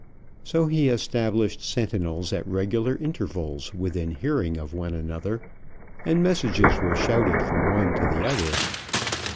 So he established sentinels at regular intervals within hearing of one another, and messages were shouted from one to the other.